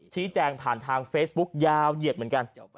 ชี้แจงผ่านทางเฟซบุ๊คยาวเหยียดเหมือนกัน